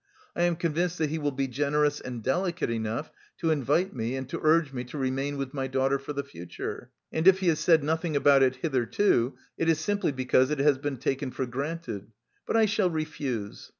I am convinced that he will be generous and delicate enough to invite me and to urge me to remain with my daughter for the future, and if he has said nothing about it hitherto, it is simply because it has been taken for granted; but I shall refuse.